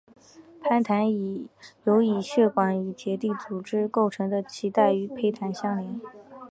胎盘由以血管与结缔组织构成的脐带与胚胎相连。